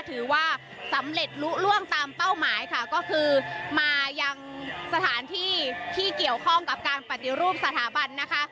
ถือว่าสำเร็จลุล่วงตามเป้าหมายค่ะก็คือมายังสถานที่ที่เกี่ยวข้องกับการปฏิรูปสถาบันนะคะ